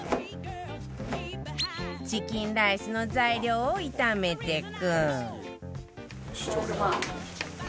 チキンライスの材料を炒めていく